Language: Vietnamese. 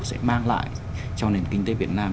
sẽ mang lại cho nền kinh tế việt nam